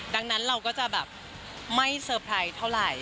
ดังนั้นเราก็จะแบบไม่เซอร์ไพรส์เท่าไหร่